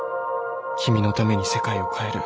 君のために世界を変える。